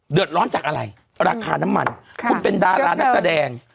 เดือดร้อนจากอะไรราคาน้ำมันคุณเป็นดารานักแสดง